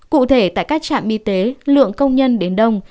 cụ thể tại các trạm y tế lượng công nhân đến đông